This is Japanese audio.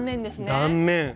断面。